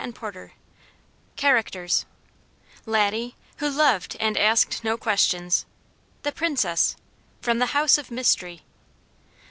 The Pryor Mystery LADDIE CHARACTERS LADDIE, Who Loved and Asked No Questions. THE PRINCESS, From the House of Mystery.